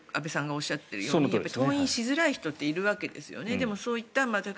それは先ほど安部さんがおっしゃっているように登院しづらい人っているわけですよね。